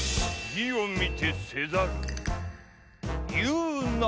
義を見てせざるは。